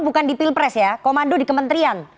bukan di pilpres ya komando di kementerian